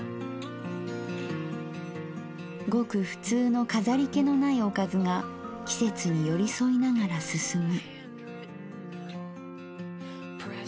ごく普通の飾り気のないおかずが季節に寄り添いながら進む。